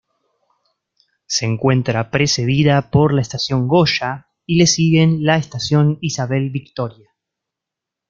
Se encuentra precedida por la Estación Goya y le sigue la Estación Isabel Victoria.